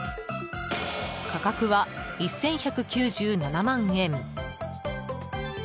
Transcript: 価格は１１９７万円。